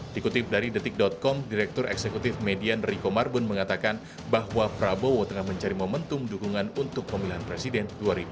dikutip dari detik com direktur eksekutif median riko marbun mengatakan bahwa prabowo tengah mencari momentum dukungan untuk pemilihan presiden dua ribu dua puluh